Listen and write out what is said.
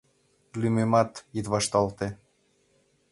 Лӱмемат ит вашталте.